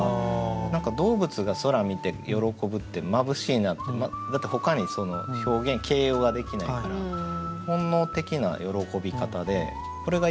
何か動物が空見て喜ぶって眩しいなってだってほかに表現形容ができないから本能的な喜び方でこれが一番喜んでるんじゃないかなと。